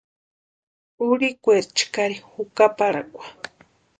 Urhikweri chkari juparhakwa.